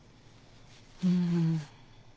うん。